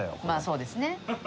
まあそうですね。